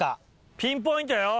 ピンポイントよ！